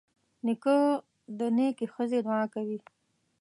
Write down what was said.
نیکه د نیکې ښځې دعا کوي.